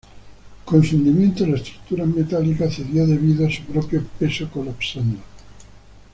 Con su hundimiento, la estructura metálica cedió debido a su propio peso, colapsando.